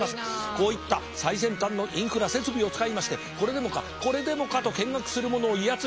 こういった最先端のインフラ設備を使いましてこれでもかこれでもかと見学する者を威圧しております。